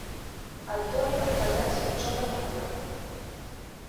А той адказаць нічога не можа.